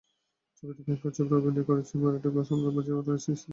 ছবিতে প্রিয়াঙ্কা চোপড়া অভিনয় করছেন মারাঠি সম্রাট বাজিরাওয়ের স্ত্রী কাশি বাইয়ের চরিত্রে।